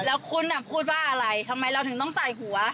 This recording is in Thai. แล้วคุณพูดว่าอะไรทำไมเราถึงต้องใส่หัว